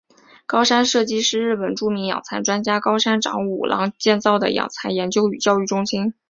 高山社迹是日本著名养蚕专家高山长五郎建造的养蚕研究与教育中心。